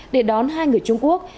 để đón hai người trung quốc